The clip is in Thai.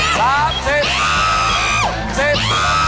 สามสิบสิบ